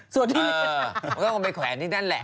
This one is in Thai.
สวนทุเรียนเออมันก็คงไปแขวนที่นั่นแหละ